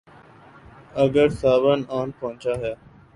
اگر ساون آن پہنچا ہے۔